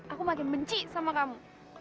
aku makin benci sama kamu